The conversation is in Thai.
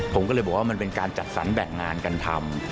ผมก็เลยบอกว่ามันเป็นการจัดสรรแบ่งงานกันทำ